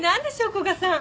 古賀さん。